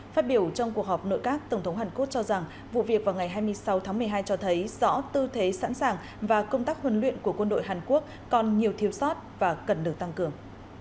phát biểu trong cuộc họp nội các tổng thống hàn quốc cho rằng vụ việc vào ngày hai mươi sáu tháng một mươi hai cho thấy rõ tư thế sẵn sàng và công tác huấn luyện của quân đội hàn quốc còn nhiều thiếu sót và cần được tăng cường